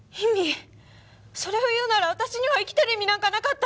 それを言うなら私には生きてる意味なんかなかった！